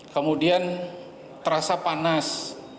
kemudian terasa panas